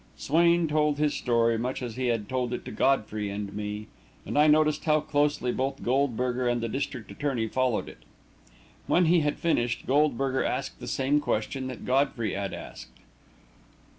Swain told his story much as he had told it to Godfrey and me, and I noticed how closely both Goldberger and the district attorney followed it. When he had finished, Goldberger asked the same question that Godfrey had asked.